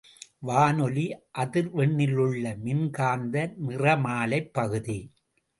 வானொலி அதிர்வெண்ணிலுள்ள மின்காந்த நிறமாலைப் பகுதி.